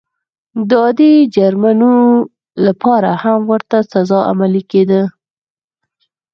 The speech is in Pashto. د عادي جرمونو لپاره هم ورته سزا عملي کېده.